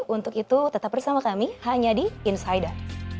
untuk itu tetap bersama kami hanya di insider